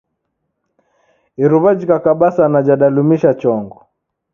Iruwa jhikakaba sana jadalumisha chongo